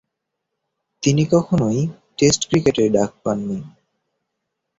তিনি কখনোই টেস্ট ক্রিকেটে ডাক পান নি।